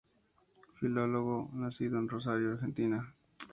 Filólogo nacido en Rosario, Argentina.